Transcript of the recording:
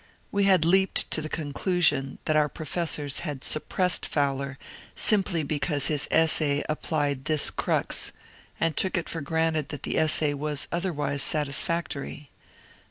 We had leaped to the conclusion that our professors had suppressed Fowler simply because his essay applied this crux, and took it for granted that the essay was otherwise satisfactory.